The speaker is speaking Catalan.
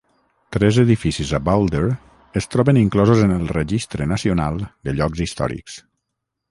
Tres edificis a Boulder es troben inclosos en el Registre Nacional de Llocs Històrics.